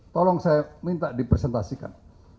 tolong saya minta dipresentasikan